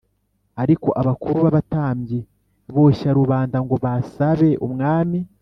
Ariko abakuru b abatambyi boshya rubanda ngo basabe umwami